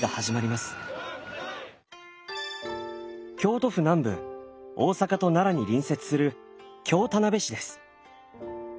京都府南部大阪と奈良に隣接する京田辺市です。